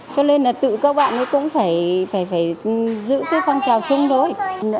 cho nên là tự các bạn ấy cũng phải giữ cái phong trào chung thôi